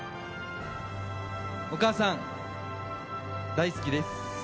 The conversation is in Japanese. お母さん、大好きです。